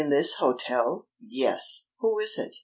"In this hotel?" "Yes." "Who is it?"